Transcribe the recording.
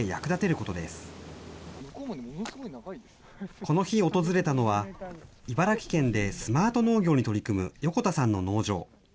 この日訪れたのは、茨城県でスマート農業に取り組む横田さんの農場。